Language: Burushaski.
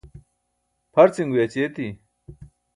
pharcin guyaći eti